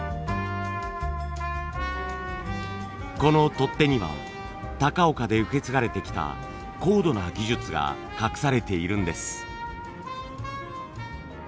この取っ手には高岡で受け継がれてきた高度な技術が隠されているんです。